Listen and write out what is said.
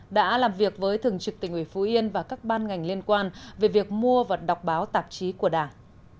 đã làm việc với thường trực tỉnh ủy phú yên và các ban ngành liên quan về việc mua và đọc báo tạp chí của đảng